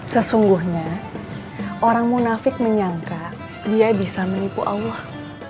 sesungguhnya orang munafik menyangka dia bisa menipu allah